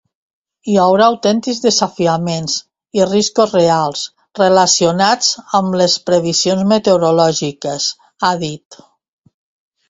Hi haurà autèntics desafiaments i riscos reals relacionats amb les previsions meteorològiques, ha dit.